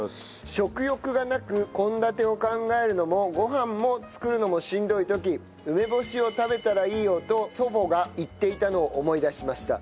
食欲がなく献立を考えるのもご飯も作るのもしんどい時「梅干しを食べたらいいよ」と祖母が言っていたのを思い出しました。